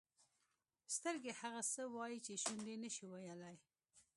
سترګې هغه څه وایي چې شونډې نه شي ویلای.